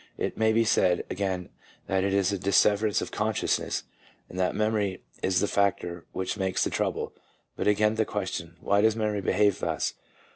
It may be said again that it is a dis severance of consciousness, and that memory is the factor which makes the trouble ; but again the question — Why does memory behave thus?